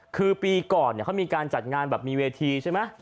คือปีก่อนเขามีการจัดงานแบบมีเวทีใช่ไหม